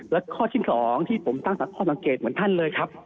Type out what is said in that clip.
และข้อที่๒ที่ผมตั้งตักข้อสังเกตเหมือนท่านเลยครับ